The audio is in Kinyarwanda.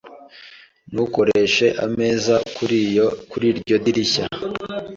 Ntukoreshe ameza kuriryo dirishya.